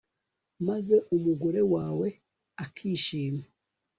maze umugore wawe akishima